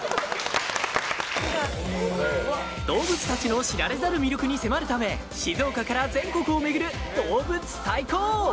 動物たちの知られざる魅力に迫るため静岡から全国を巡る「どうぶつ最ＫＯＯ！！」。